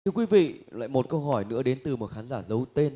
thưa quý vị lại một câu hỏi nữa đến từ một khán giả giấu tên